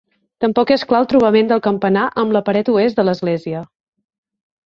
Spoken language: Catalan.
Tampoc és clar el trobament del campanar amb la paret oest de l'església.